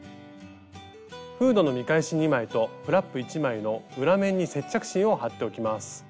フードの見返し２枚とフラップ１枚の裏面に接着芯を貼っておきます。